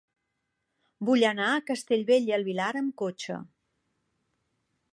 Vull anar a Castellbell i el Vilar amb cotxe.